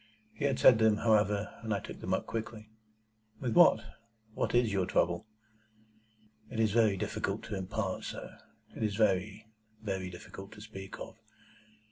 He had said them, however, and I took them up quickly. "With what? What is your trouble?" "It is very difficult to impart, sir. It is very, very difficult to speak of.